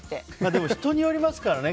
でも、人によりますからね。